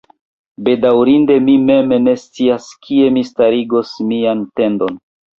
Bedaŭrinde, mi mem ne scias, kie mi starigos mian tendon.